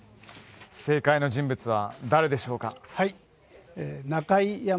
正解の人物は誰でしょうか？